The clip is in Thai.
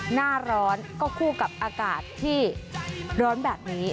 หน้าร้อนก็คู่กับอากาศที่ร้อนแบบนี้